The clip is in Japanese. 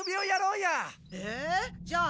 えじゃあ何？